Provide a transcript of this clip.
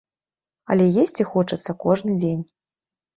Але есці хочацца кожны дзень.